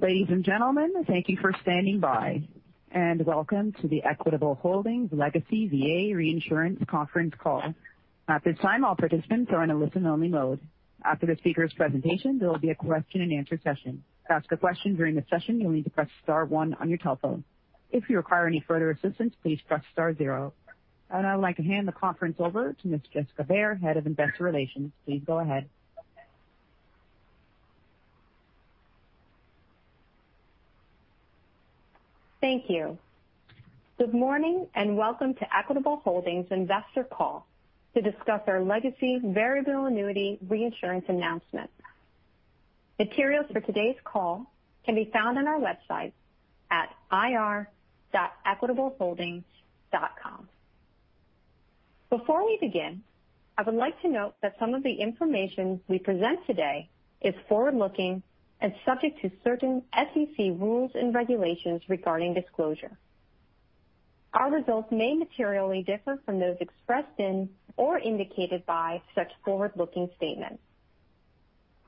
Ladies and gentlemen, thank you for standing by, and welcome to the Equitable Holdings Legacy VA Reinsurance conference call. At this time, all participants are in a listen-only mode. After the speaker's presentation, there will be a question-and-answer session. To ask a question during the session, you'll need to press star one on your telephone. If you require any further assistance, please press star zero. I would like to hand the conference over to Ms. Jessica Baehr, Head of Investor Relations. Please go ahead. Thank you. Good morning and welcome to Equitable Holdings investor call to discuss our legacy variable annuity reinsurance announcement. Materials for today's call can be found on our website at ir.equitableholdings.com. Before we begin, I would like to note that some of the information we present today is forward-looking and subject to certain SEC rules and regulations regarding disclosure. Our results may materially differ from those expressed in or indicated by such forward-looking statements.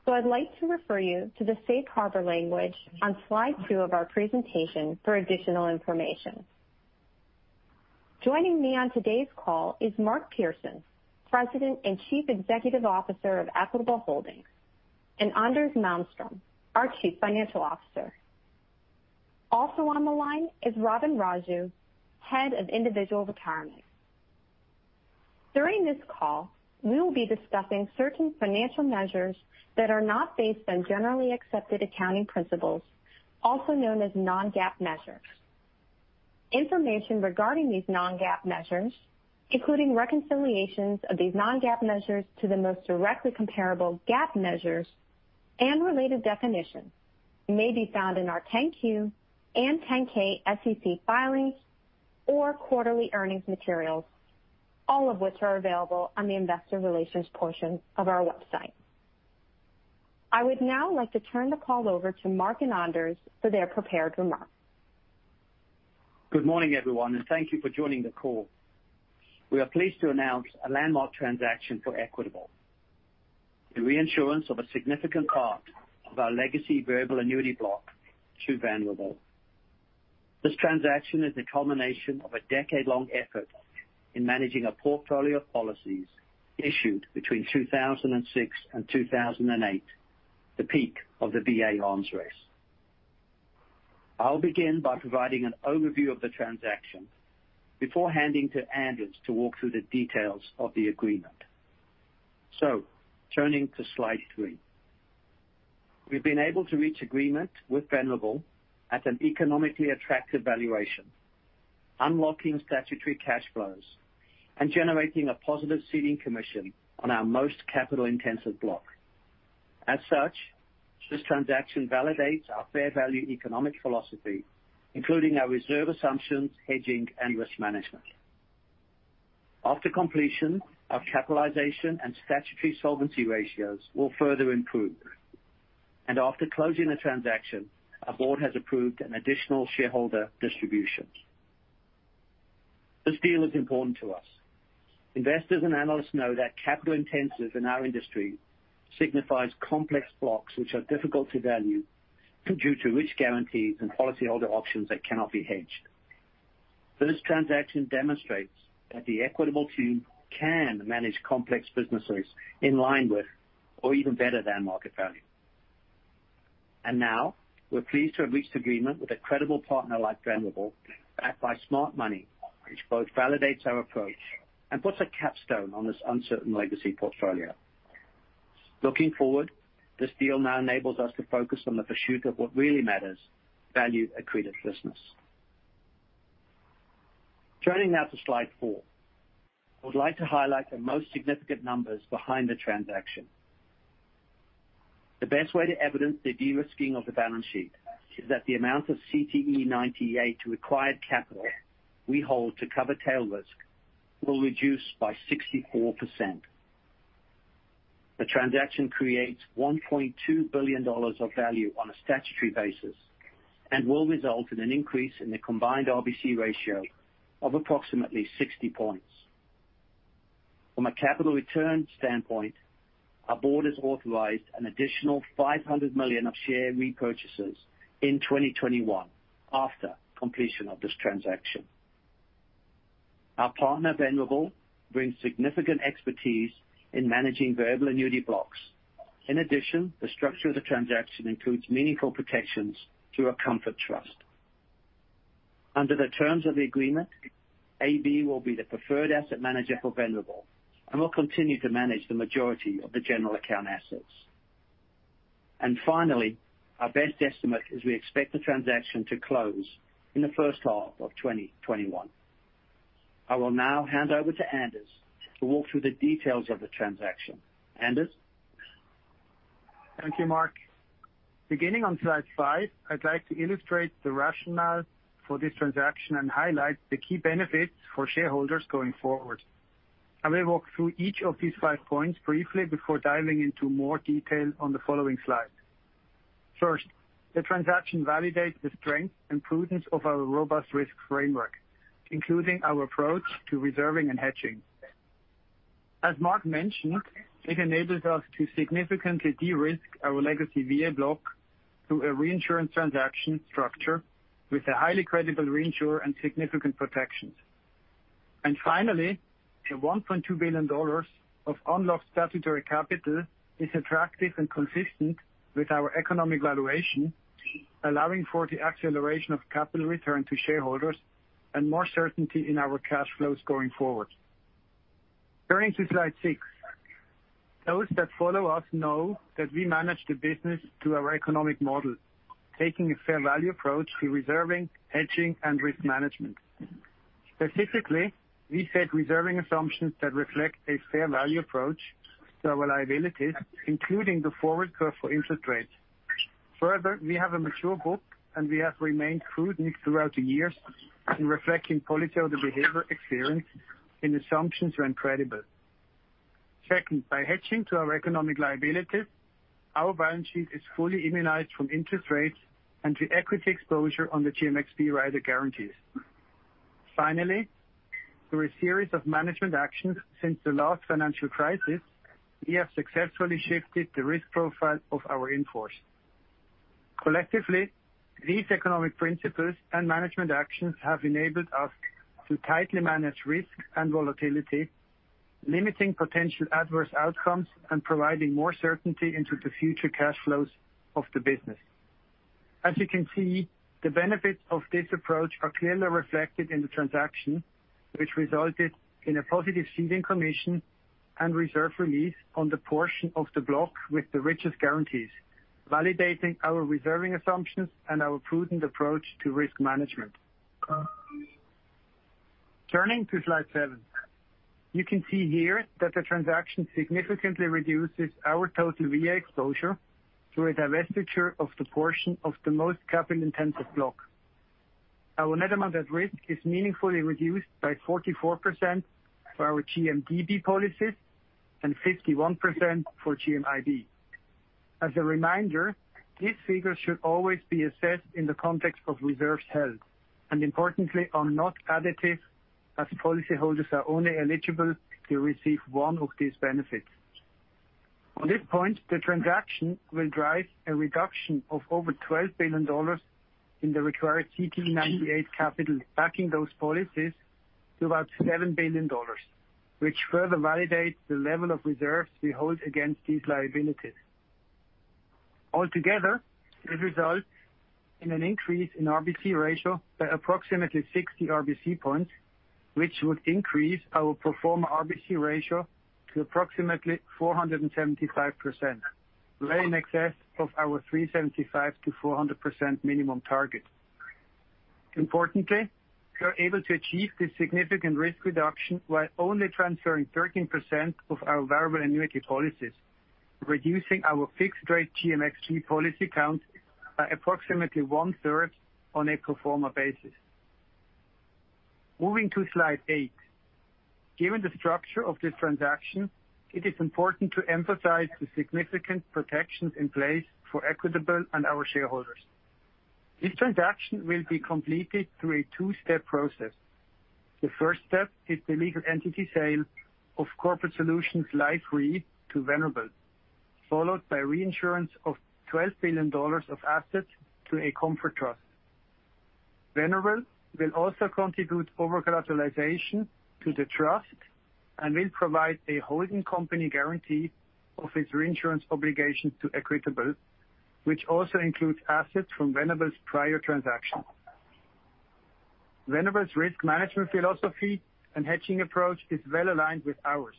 I'd like to refer you to the safe harbor language on slide two of our presentation for additional information. Joining me on today's call is Mark Pearson, President and Chief Executive Officer of Equitable Holdings, and Anders Malmström, our Chief Financial Officer. Also on the line is Robin Raju, Head of Individual Retirement. During this call, we will be discussing certain financial measures that are not based on generally accepted accounting principles, also known as non-GAAP measures. Information regarding these non-GAAP measures, including reconciliations of these non-GAAP measures to the most directly comparable GAAP measures and related definitions, may be found in our 10-Q and 10-K SEC filings or quarterly earnings materials, all of which are available on the investor relations portion of our website. I would now like to turn the call over to Mark and Anders for their prepared remarks. Good morning, everyone, and thank you for joining the call. We are pleased to announce a landmark transaction for Equitable, the reinsurance of a significant part of our legacy variable annuity block to Venerable. This transaction is the culmination of a decade-long effort in managing a portfolio of policies issued between 2006 and 2008, the peak of the VA arms race. I'll begin by providing an overview of the transaction before handing to Anders to walk through the details of the agreement. Turning to slide three. We've been able to reach agreement with Venerable at an economically attractive valuation, unlocking statutory cash flows, and generating a positive ceding commission on our most capital-intensive block. As such, this transaction validates our fair value economic philosophy, including our reserve assumptions, hedging, and risk management. After completion, our capitalization and statutory solvency ratios will further improve. After closing the transaction, our board has approved an additional shareholder distribution. This deal is important to us. Investors and analysts know that capital intensive in our industry signifies complex blocks which are difficult to value due to rich guarantees and policyholder options that cannot be hedged. This transaction demonstrates that the Equitable team can manage complex businesses in line with or even better than market value. Now we're pleased to have reached agreement with a credible partner like Venerable, backed by smart money, which both validates our approach and puts a capstone on this uncertain legacy portfolio. Looking forward, this deal now enables us to focus on the pursuit of what really matters, value accretive business. Turning now to slide four. I would like to highlight the most significant numbers behind the transaction. The best way to evidence the de-risking of the balance sheet is that the amount of CTE98 required capital we hold to cover tail risk will reduce by 64%. The transaction creates $1.2 billion of value on a statutory basis and will result in an increase in the combined RBC ratio of approximately 60 points. From a capital return standpoint, our board has authorized an additional $500 million of share repurchases in 2021 after completion of this transaction. Our partner, Venerable, brings significant expertise in managing variable annuity blocks. In addition, the structure of the transaction includes meaningful protections through a comfort trust. Under the terms of the agreement, AB will be the preferred asset manager for Venerable and will continue to manage the majority of the general account assets. Finally, our best estimate is we expect the transaction to close in the first half of 2021. I will now hand over to Anders to walk through the details of the transaction. Anders? Thank you, Mark. Beginning on slide five, I'd like to illustrate the rationale for this transaction and highlight the key benefits for shareholders going forward. I will walk through each of these five points briefly before diving into more detail on the following slides. First, the transaction validates the strength and prudence of our robust risk framework, including our approach to reserving and hedging. As Mark mentioned, it enables us to significantly de-risk our legacy VA block through a reinsurance transaction structure with a highly credible reinsurer and significant protections. Finally, the $1.2 billion of unlocked statutory capital is attractive and consistent with our economic valuation, allowing for the acceleration of capital return to shareholders and more certainty in our cash flows going forward. Turning to slide six. Those that follow us know that we manage the business to our economic model, taking a fair value approach to reserving, hedging, and risk management. Specifically, we set reserving assumptions that reflect a fair value approach to our liabilities, including the forward curve for interest rates. Further, we have a mature book, and we have remained prudent throughout the years in reflecting policyholder behavior experience and assumptions around credibility. Second, by hedging to our economic liabilities, our balance sheet is fully immunized from interest rates and the equity exposure on the GMXP rider guarantees. Finally, through a series of management actions since the last financial crisis, we have successfully shifted the risk profile of our in-force. Collectively, these economic principles and management actions have enabled us to tightly manage risk and volatility, limiting potential adverse outcomes and providing more certainty into the future cash flows of the business. As you can see, the benefits of this approach are clearly reflected in the transaction, which resulted in a positive ceding commission and reserve release on the portion of the block with the richest guarantees, validating our reserving assumptions and our prudent approach to risk management. Turning to slide seven. You can see here that the transaction significantly reduces our total VA exposure through a divestiture of the portion of the most capital-intensive block. Our net amount at risk is meaningfully reduced by 44% for our GMDB policies and 51% for GMIB. As a reminder, these figures should always be assessed in the context of reserves held, and importantly, are not additive as policyholders are only eligible to receive one of these benefits. On this point, the transaction will drive a reduction of over $12 billion in the required CTE98 capital backing those policies to about $7 billion, which further validates the level of reserves we hold against these liabilities. Altogether, this results in an increase in RBC ratio by approximately 60 RBC points, which would increase our pro forma RBC ratio to approximately 475%, way in excess of our 375%-400% minimum target. Importantly, we are able to achieve this significant risk reduction while only transferring 13% of our variable annuity policies, reducing our fixed rate GMXG policy count by approximately one-third on a pro forma basis. Moving to slide eight. Given the structure of this transaction, it is important to emphasize the significant protections in place for Equitable and our shareholders. This transaction will be completed through a two-step process. The first step is the legal entity sale of Corporate Solutions Life Re to Venerable, followed by reinsurance of $12 billion of assets to a comfort trust. Venerable will also contribute over-collateralization to the trust and will provide a holding company guarantee of its reinsurance obligations to Equitable, which also includes assets from Venerable's prior transaction. Venerable's risk management philosophy and hedging approach is well-aligned with ours.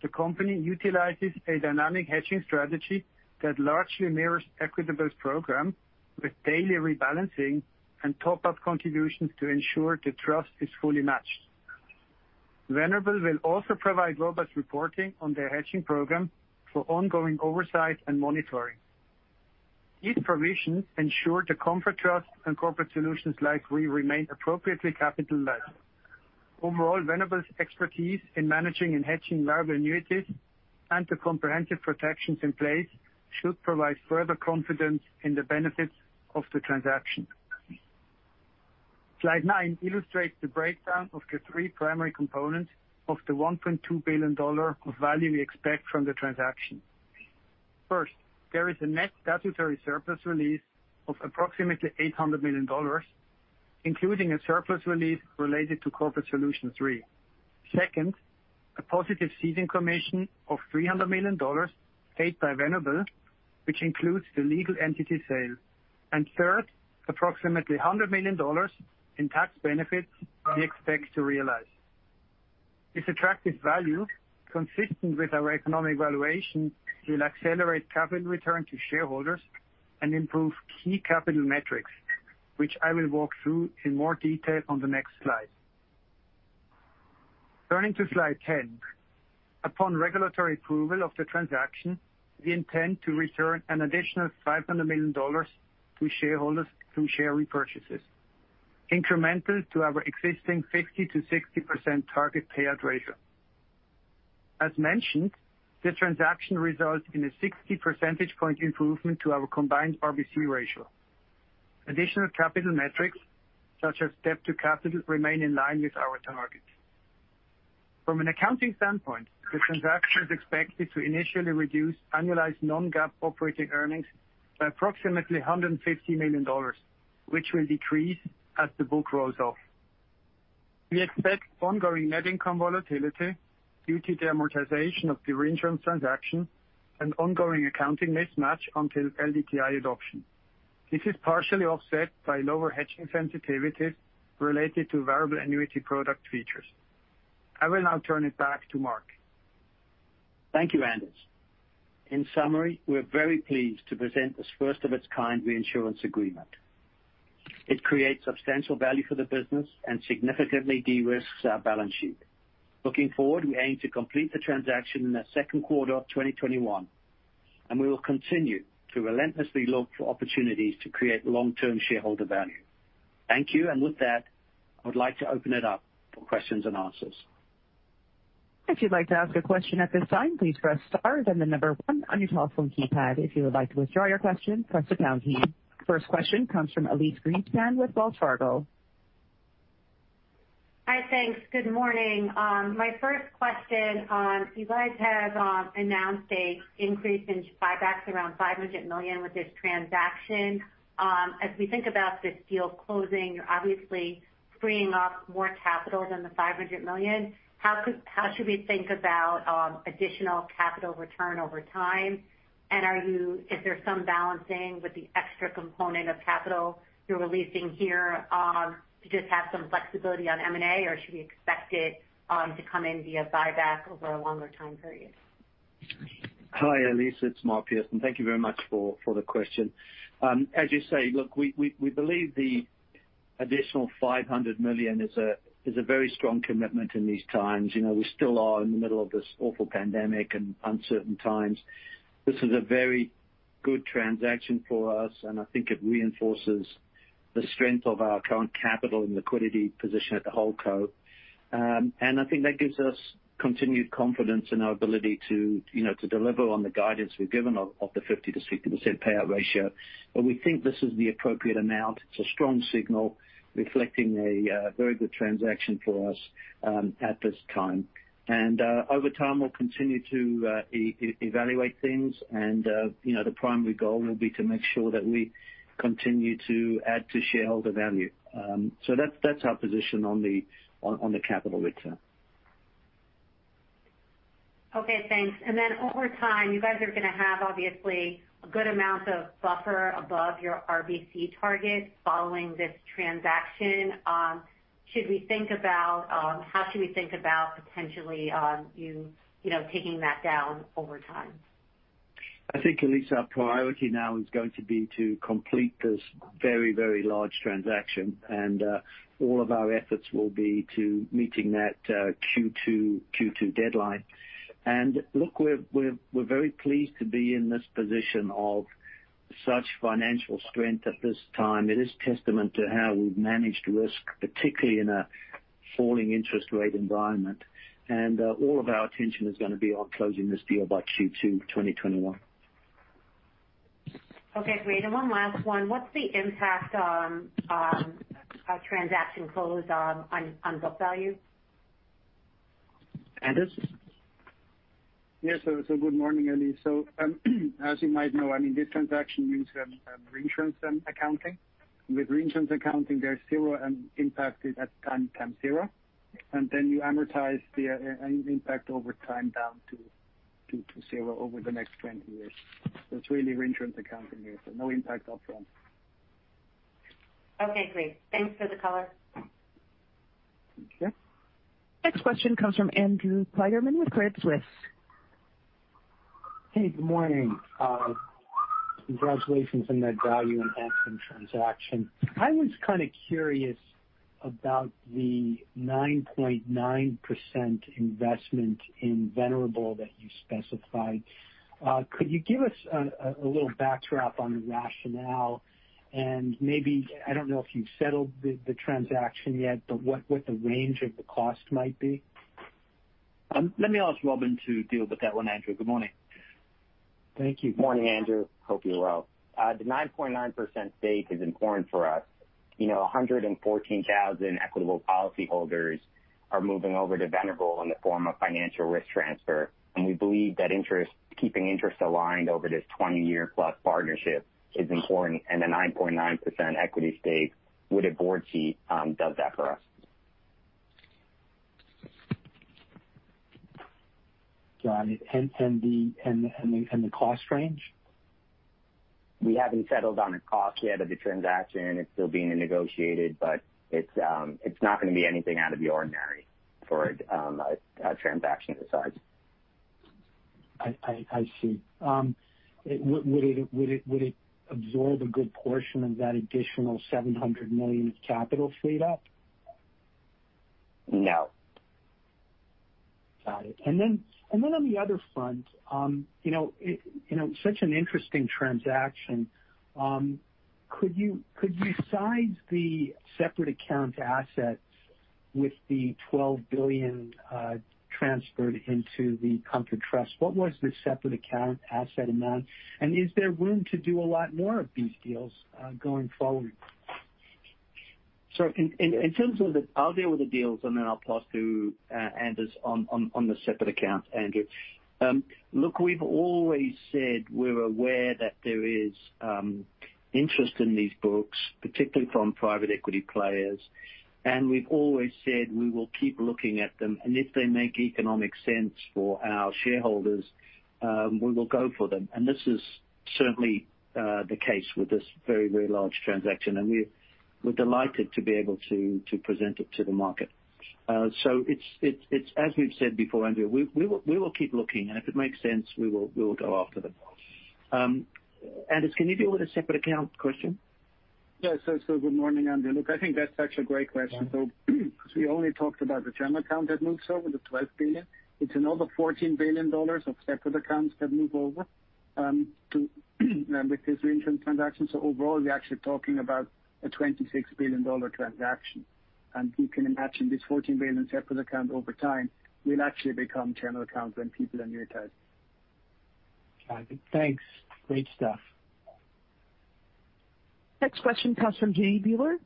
The company utilizes a dynamic hedging strategy that largely mirrors Equitable's program with daily rebalancing and top-up contributions to ensure the trust is fully matched. Venerable will also provide robust reporting on their hedging program for ongoing oversight and monitoring. These provisions ensure the comfort trust and Corporate Solutions Life Re remain appropriately capitalized. Overall, Venerable's expertise in managing and hedging variable annuities and the comprehensive protections in place should provide further confidence in the benefits of the transaction. Slide nine illustrates the breakdown of the three primary components of the $1.2 billion of value we expect from the transaction. First, there is a net statutory surplus release of approximately $800 million, including a surplus release related to Corporate Solutions Re. Second, a positive ceding commission of $300 million paid by Venerable, which includes the legal entity sale. Third, approximately $100 million in tax benefits we expect to realize. This attractive value, consistent with our economic valuation, will accelerate capital return to shareholders and improve key capital metrics, which I will walk through in more detail on the next slide. Turning to slide 10. Upon regulatory approval of the transaction, we intend to return an additional $500 million to shareholders through share repurchases, incremental to our existing 50%-60% target payout ratio. As mentioned, the transaction results in a 60 percentage point improvement to our combined RBC ratio. Additional capital metrics such as debt to capital remain in line with our targets. From an accounting standpoint, the transaction is expected to initially reduce annualized non-GAAP operating earnings by approximately $150 million, which will decrease as the book rolls off. We expect ongoing net income volatility due to the amortization of the reinsurance transaction and ongoing accounting mismatch until LDTI adoption. This is partially offset by lower hedging sensitivities related to variable annuity product features. I will now turn it back to Mark. Thank you, Anders. In summary, we are very pleased to present this first of its kind reinsurance agreement. It creates substantial value for the business and significantly de-risks our balance sheet. Looking forward, we aim to complete the transaction in the second quarter of 2021. We will continue to relentlessly look for opportunities to create long-term shareholder value. Thank you. With that, I would like to open it up for questions and answers. If you'd like to ask a question at this time, please press star then the number one on your telephone keypad. If you would like to withdraw your question, press the pound key. First question comes from Elyse Greenspan with Wells Fargo. Hi, thanks. Good morning. My first question. You guys have announced a increase in buybacks around $500 million with this transaction. As we think about this deal closing, you're obviously freeing up more capital than the $500 million. How should we think about additional capital return over time? Is there some balancing with the extra component of capital you're releasing here to just have some flexibility on M&A? Should we expect it to come in via buyback over a longer time period? Hi, Elyse, it's Mark Pearson. Thank you very much for the question. As you say, look, we believe the additional $500 million is a very strong commitment in these times. We still are in the middle of this awful pandemic and uncertain times. This is a very good transaction for us, and I think it reinforces the strength of our current capital and liquidity position at the holdco. I think that gives us continued confidence in our ability to deliver on the guidance we've given of the 50%-50% payout ratio. We think this is the appropriate amount. It's a strong signal reflecting a very good transaction for us at this time. Over time, we'll continue to evaluate things and the primary goal will be to make sure that we continue to add to shareholder value. That's our position on the capital return. Okay, thanks. Over time, you guys are going to have obviously a good amount of buffer above your RBC target following this transaction. How should we think about potentially you taking that down over time? I think, Elyse, our priority now is going to be to complete this very large transaction, and all of our efforts will be to meeting that Q2 deadline. Look, we're very pleased to be in this position of such financial strength at this time. It is testament to how we've managed risk, particularly in a falling interest rate environment. All of our attention is going to be on closing this deal by Q2 2021. Okay, great. One last one. What's the impact on a transaction close on book value? Anders? Yes, good morning, Elyse. As you might know, this transaction uses reinsurance accounting. With reinsurance accounting, there is zero impacted at time zero, and then you amortize the impact over time down to zero over the next 20 years. It's really reinsurance accounting here, so no impact up front. Okay, great. Thanks for the color. Thank you. Next question comes from Andrew Pleiderman with Credit Suisse. Hey, good morning. Congratulations on that value enhancement transaction. I was kind of curious about the 9.9% investment in Venerable that you specified. Could you give us a little backdrop on the rationale and maybe, I don't know if you've settled the transaction yet, but what the range of the cost might be? Let me ask Robin to deal with that one, Andrew. Good morning. Thank you. Morning, Andrew. Hope you're well. The 9.9% stake is important for us. 114,000 Equitable policyholders are moving over to Venerable in the form of financial risk transfer, and we believe that keeping interests aligned over this 20-year plus partnership is important, and a 9.9% equity stake with a board seat does that for us. Got it. The cost range? We haven't settled on a cost yet of the transaction. It's still being negotiated, but it's not going to be anything out of the ordinary for a transaction of this size. I see. Would it absorb a good portion of that additional $700 million of capital freed up? No. Got it. On the other front, such an interesting transaction. Could you size the separate account assets With the $12 billion transferred into the Comfort trust, what was the separate account asset amount, and is there room to do a lot more of these deals going forward? In terms of the I'll deal with the deals, then I'll pass to Anders on the separate account, Andrew. Look, we've always said we're aware that there is interest in these books, particularly from private equity players, and we've always said we will keep looking at them, and if they make economic sense for our shareholders, we will go for them. This is certainly the case with this very, very large transaction. We're delighted to be able to present it to the market. It's as we've said before, Andrew, we will keep looking, and if it makes sense, we will go after them. Anders, can you deal with the separate account question? Yes. Good morning, Andrew. Look, I think that's such a great question, though, because we only talked about the term account that moves over the $12 billion. It's another $14 billion of separate accounts that move over with this re-insurance transaction. Overall, we're actually talking about a $26 billion transaction, and you can imagine this $14 billion separate account over time will actually become general accounts when people annuitize. Got it. Thanks. Great stuff. Next question comes from Jay Bieler.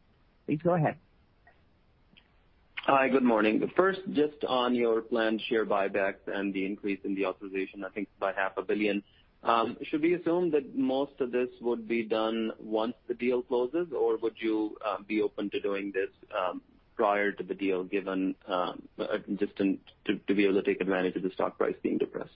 Please go ahead. Hi, good morning. First, just on your planned share buybacks and the increase in the authorization, I think by $0.5 billion. Should we assume that most of this would be done once the deal closes, or would you be open to doing this prior to the deal given just to be able to take advantage of the stock price being depressed?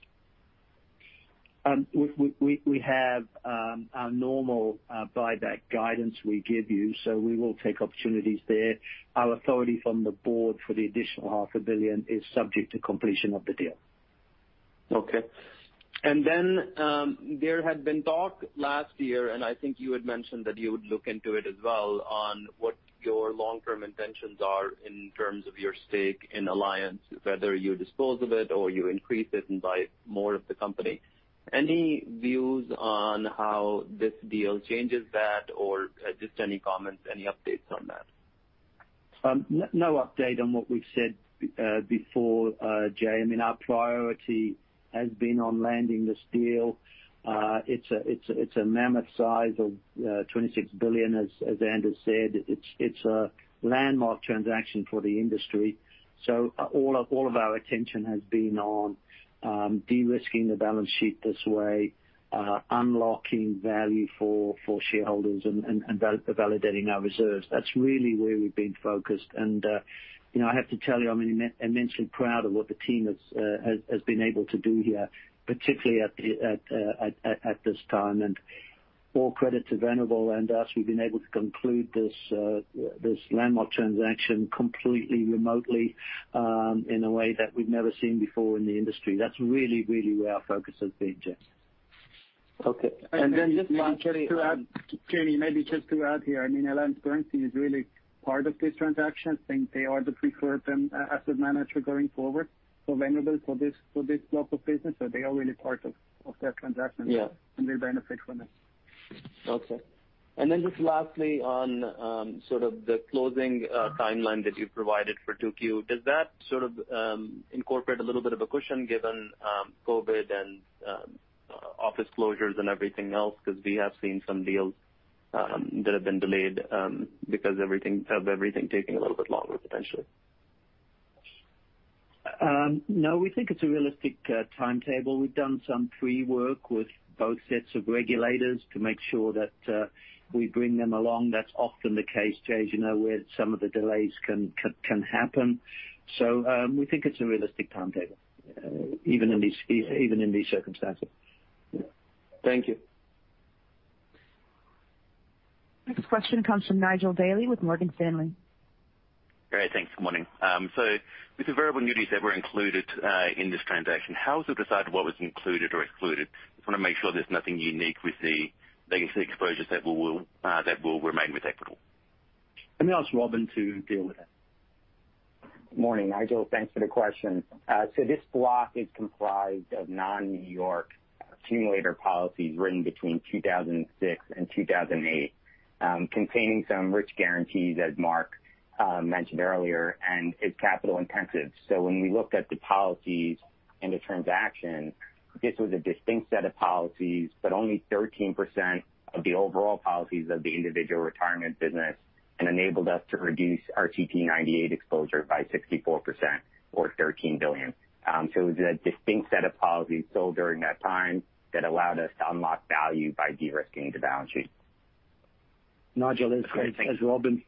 We have our normal buyback guidance we give you, so we will take opportunities there. Our authority from the board for the additional $0.5 billion is subject to completion of the deal. Okay. There had been talk last year, and I think you had mentioned that you would look into it as well on what your long-term intentions are in terms of your stake in AllianceBernstein, whether you dispose of it or you increase it and buy more of the company. Any views on how this deal changes that or just any comments, any updates on that? No update on what we've said before, Jay. I mean, our priority has been on landing this deal. It's a mammoth size of $26 billion as Anders Malmström said. It's a landmark transaction for the industry. All of our attention has been on de-risking the balance sheet this way, unlocking value for shareholders and validating our reserves. That's really where we've been focused. I have to tell you, I'm immensely proud of what the team has been able to do here, particularly at this time. All credit to Venerable and us, we've been able to conclude this landmark transaction completely remotely, in a way that we've never seen before in the industry. That's really, really where our focus has been, Jay. Okay. Jay, maybe just to add here, I mean, AllianceBernstein is really part of this transaction since they are the preferred asset manager going forward for Venerable for this block of business. They are really part of that transaction. Yeah. They benefit from it. Just lastly on sort of the closing timeline that you provided for 2Q. Does that sort of incorporate a little bit of a cushion given COVID and office closures and everything else? Because we have seen some deals that have been delayed, because of everything taking a little bit longer, potentially. No, we think it's a realistic timetable. We've done some pre-work with both sets of regulators to make sure that we bring them along. That's often the case, Jay, where some of the delays can happen. We think it's a realistic timetable, even in these circumstances. Thank you. Next question comes from Nigel Daly with Morgan Stanley. Great. Thanks. Good morning. With the variable annuities that were included in this transaction, how is it decided what was included or excluded? Just want to make sure there's nothing unique with the legacy exposures that will remain with Equitable. Let me ask Robin to deal with that. Morning, Nigel. Thanks for the question. This block is comprised of non-New York accumulator policies written between 2006 and 2008, containing some rich guarantees, as Mark mentioned earlier, and is capital intensive. When we looked at the policies and the transaction, this was a distinct set of policies, but only 13% of the overall policies of the Individual Retirement business and enabled us to reduce CTE98 exposure by 64% or $13 billion. It was a distinct set of policies sold during that time that allowed us to unlock value by de-risking the balance sheet. Nigel, as Robin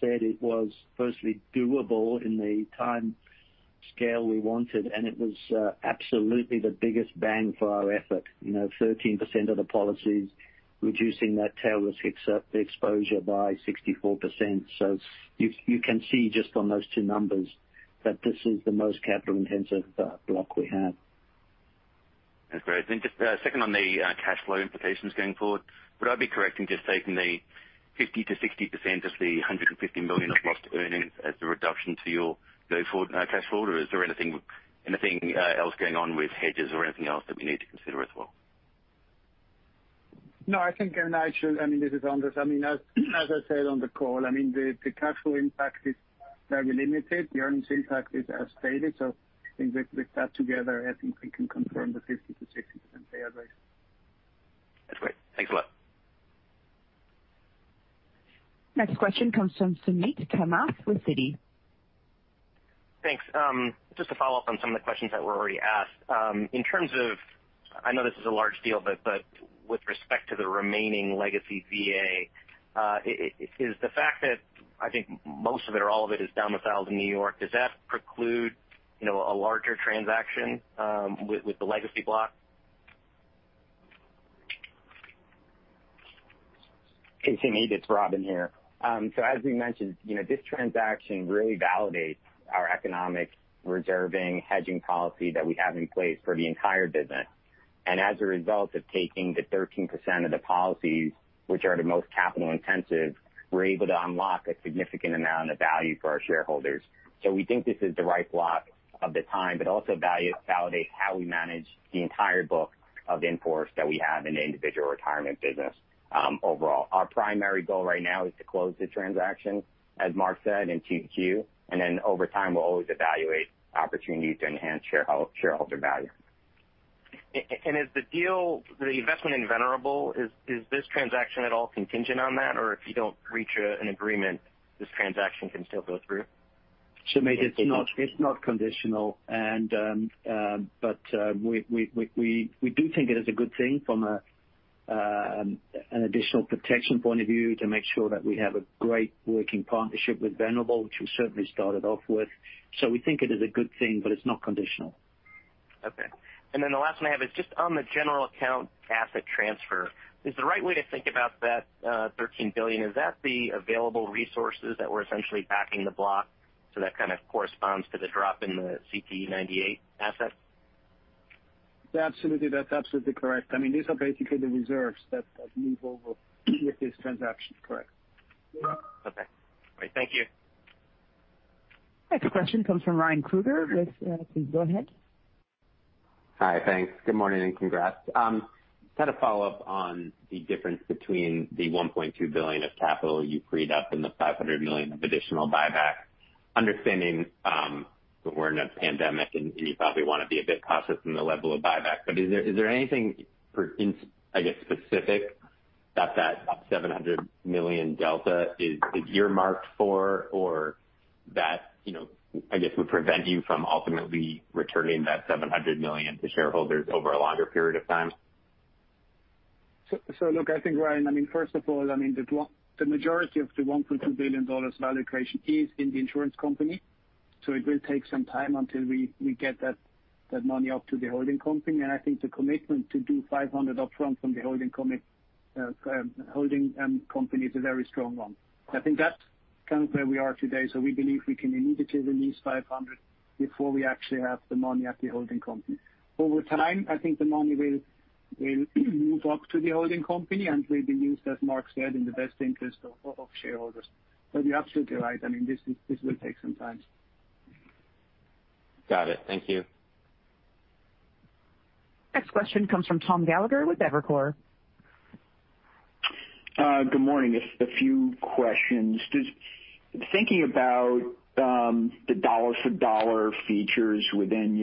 said, it was firstly doable in the time scale we wanted, and it was absolutely the biggest bang for our effort. 13% of the policies, reducing that tail risk exposure by 64%. You can see just on those two numbers that this is the most capital-intensive block we have. That's great. Just second on the cash flow implications going forward. Would I be correct in just taking the 50%-60% of the $150 million of blocked earnings as the reduction to your go-forward cash flow, or is there anything else going on with hedges or anything else that we need to consider as well? No, I think, This is Anders Malmström. As I said on the call, the capital impact is very limited. The earnings impact is as stated. I think with that together, I think we can confirm the 50%-60% tail risk. That's great. Thanks a lot. Next question comes from Suneet Kamath with Citi. Thanks. Just to follow up on some of the questions that were already asked. In terms of, I know this is a large deal, but with respect to the remaining legacy VA, is the fact that I think most of it or all of it is domiciled in New York, does that preclude a larger transaction with the legacy block? Suneet, it's Robin here. As we mentioned, this transaction really validates our economic reserving, hedging policy that we have in place for the entire business. As a result of taking the 13% of the policies, which are the most capital intensive, we're able to unlock a significant amount of value for our shareholders. We think this is the right block of the time, but also validates how we manage the entire book of in-force that we have in the Individual Retirement business overall. Our primary goal right now is to close the transaction, as Mark said, in 2Q. Over time, we'll always evaluate opportunities to enhance shareholder value. Is the deal, the investment in Venerable, is this transaction at all contingent on that? If you don't reach an agreement, this transaction can still go through? Suneet, it's not conditional. We do think it is a good thing from an additional protection point of view to make sure that we have a great working partnership with Venerable, which we certainly started off with. We think it is a good thing, but it's not conditional. Okay. The last one I have is just on the general account asset transfer. Is the right way to think about that $13 billion, is that the available resources that were essentially backing the block, so that kind of corresponds to the drop in the CTE98 asset? Absolutely. That's absolutely correct. These are basically the reserves that move over with this transaction. Correct. Okay. Great. Thank you. Next question comes from Ryan Krueger with. Please go ahead. Hi, thanks. Good morning and congrats. Just had a follow-up on the $1.2 billion of capital you freed up and the $500 million of additional buyback. Understanding that we're in a pandemic and you probably want to be a bit cautious in the level of buyback, is there anything, I guess, specific that that $700 million delta is earmarked for or that, I guess, would prevent you from ultimately returning that $700 million to shareholders over a longer period of time? Look, I think, Ryan, first of all, the majority of the $1.2 billion value creation is in the insurance company. It will take some time until we get that money up to the holding company. I think the commitment to do $500 upfront from the holding company is a very strong one. I think that's kind of where we are today. We believe we can immediately release $500 before we actually have the money at the holding company. Over time, I think the money will move up to the holding company and will be used, as Mark said, in the best interest of shareholders. You're absolutely right. This will take some time. Got it. Thank you. Next question comes from Thomas Gallagher with Evercore. Good morning. Just a few questions. Thinking about the dollar-for-dollar features within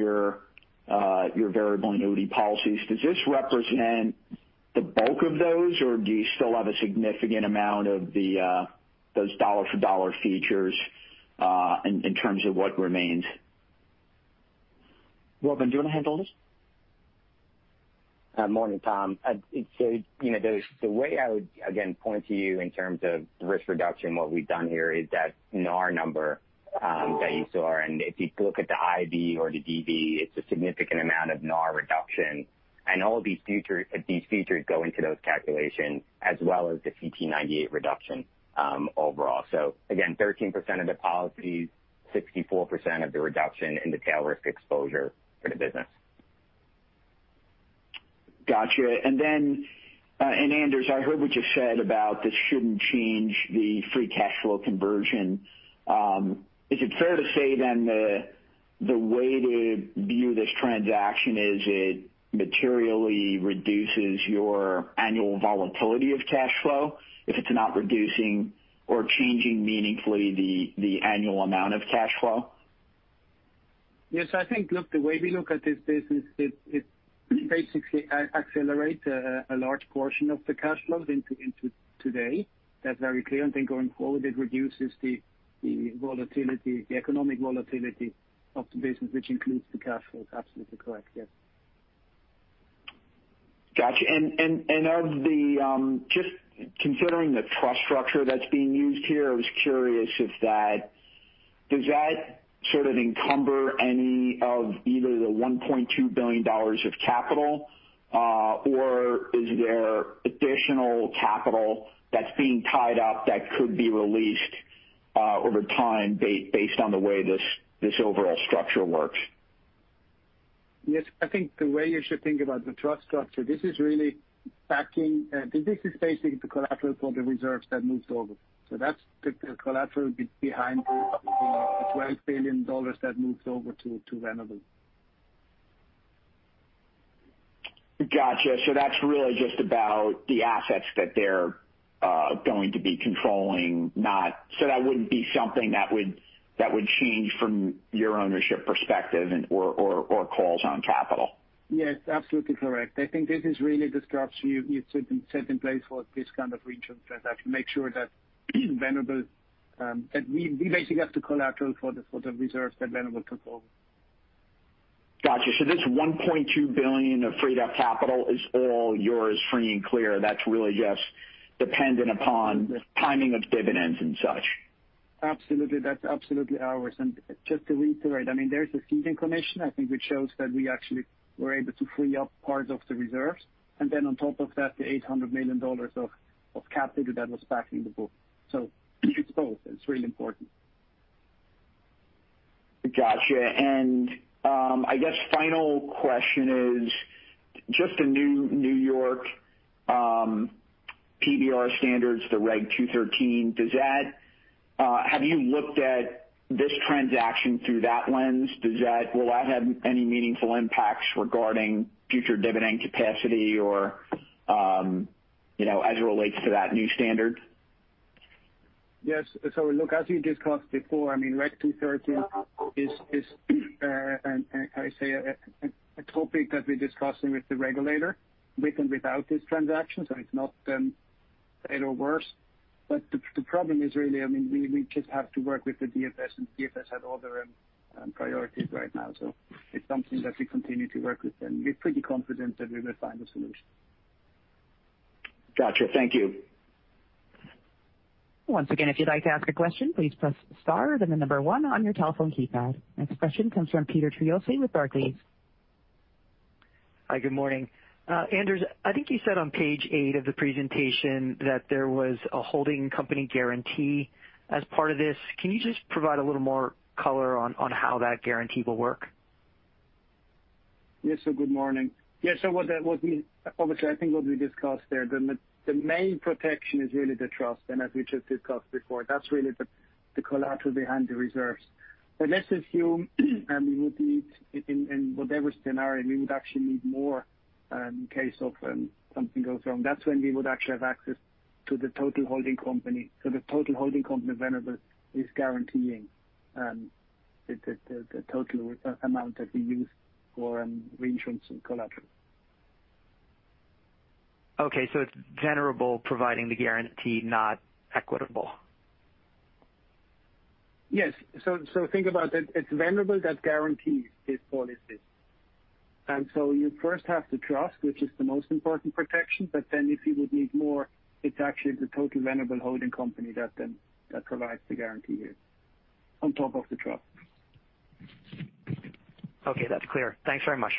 your variable annuity policies, does this represent the bulk of those, or do you still have a significant amount of those dollar-for-dollar features in terms of what remains? Robin, do you want to handle this? Morning, Tom. The way I would, again, point to you in terms of risk reduction, what we've done here is that NAR number that you saw. If you look at the IB or the DB, it's a significant amount of NAR reduction. All of these features go into those calculations as well as the CTE98 reduction overall. Again, 13% of the policies, 64% of the reduction in the tail risk exposure for the business. Got you. Anders, I heard what you said about this shouldn't change the free cash flow conversion. Is it fair to say then the way to view this transaction is it materially reduces your annual volatility of cash flow if it's not reducing or changing meaningfully the annual amount of cash flow? Yes, I think the way we look at this business, it basically accelerates a large portion of the cash flow into today. That's very clear. Then going forward, it reduces the economic volatility of the business, which includes the cash flow. It's absolutely correct, yes. Got you. Just considering the trust structure that's being used here, I was curious if that, does that sort of encumber any of either the $1.2 billion of capital or is there additional capital that's being tied up that could be released over time based on the way this overall structure works? Yes, I think the way you should think about the trust structure, this is basically the collateral for the reserves that moved over. That's the collateral behind the $12 billion that moves over to Venerable. Gotcha. That's really just about the assets that they're going to be controlling. That wouldn't be something that would change from your ownership perspective or calls on capital. Yes, absolutely correct. I think this is really the structure you set in place for this kind of reinsurance transaction. Make sure that Venerable, that we basically have the collateral for the reserves that Venerable controls. Got you. This $1.2 billion of freed-up capital is all yours, free and clear. That's really just dependent upon the timing of dividends and such. Absolutely. That's absolutely ours. Just to reiterate, there's the ceding commission, I think, which shows that we actually were able to free up part of the reserves. On top of that, the $800 million of capital that was backing the book. It's both. It's really important. Got you. I guess final question is just the New York PBR standards, the Regulation 213. Have you looked at this transaction through that lens? Will that have any meaningful impacts regarding future dividend capacity or as it relates to that new standard? Yes. Look, as we discussed before, Reg 213 is, how you say? A topic that we're discussing with the regulator, with and without this transaction, so it's not better or worse. The problem is really, we just have to work with the DFS, and DFS have other priorities right now. It's something that we continue to work with them. We're pretty confident that we will find a solution. Got you. Thank you. Once again, if you'd like to ask a question, please press star, then the number one on your telephone keypad. Next question comes from Peter Triossi with Barclays. Hi, good morning. Anders, I think you said on page eight of the presentation that there was a holding company guarantee as part of this. Can you just provide a little more color on how that guarantee will work? Yes, good morning. Obviously, I think what we discussed there, the main protection is really the trust. As we just discussed before, that's really the collateral behind the reserves. Let's assume, and we would need, in whatever scenario, we would actually need more, in case something goes wrong. That's when we would actually have access to the total holding company. The total holding company, Venerable, is guaranteeing the total amount that we use for reinsurance and collateral. Okay, it's Venerable providing the guarantee, not Equitable. Yes. Think about it. It's Venerable that guarantees these policies. You first have the trust, which is the most important protection. If you would need more, it's actually the total Venerable holding company that provides the guarantee here on top of the trust. Okay, that's clear. Thanks very much.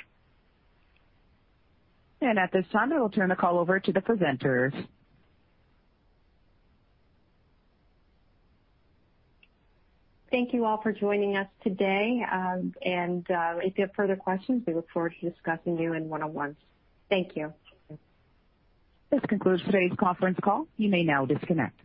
At this time, we will turn the call over to the presenters. Thank you all for joining us today. If you have further questions, we look forward to discussing you in one-on-ones. Thank you. This concludes today's conference call. You may now disconnect.